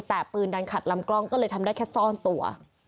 แต่ปืนดันขัดลำกล้องก็เลยทำได้แค่ซ่อนตัว